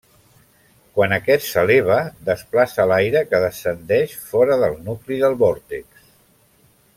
Quan aquest s'eleva, desplaça l'aire que descendeix fora del nucli del vòrtex.